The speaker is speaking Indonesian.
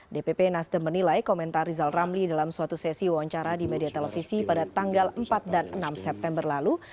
dpp nasdem menilai komentar rizal ramli dalam suatu sesi wawancara di media televisi pada tanggal empat dan enam september lalu